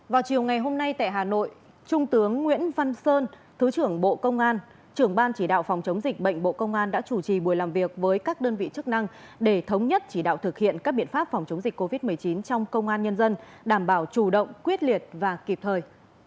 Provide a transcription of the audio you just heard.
vào chiều ngày hôm nay tại hà nội trung tướng nguyễn văn sơn thứ trưởng bộ công an trưởng ban chỉ đạo phòng chống dịch bệnh bộ công an đã chủ trì buổi làm việc với các đơn vị chức năng để thống nhất chỉ đạo thực hiện các biện pháp phòng chống dịch covid một mươi chín trong công an nhân dân đảm bảo chủ động quyết liệt và kịp thời